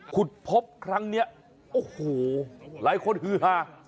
ขุดพบครั้งนี้โอ้โหหลายคนฮือฮา